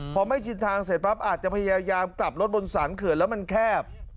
พอไม่ชินทางเสร็จปั๊บอาจจะพยายามกลับรถบนสารเขื่อนแล้วมันแคบ